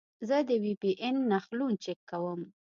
زه د وي پي این نښلون چک کوم.